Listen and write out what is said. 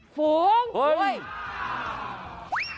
ฝูง